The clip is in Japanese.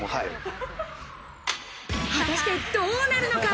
果たしてどうなるのか？